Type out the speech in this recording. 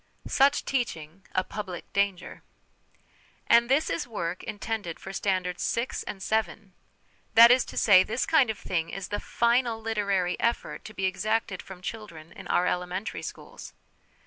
Such Teaching a Public Danger. And this is work intended for Standards VI. and VII. ! That is to say, this kind of thing is the final literary effort to be exacted from children in our elementary schools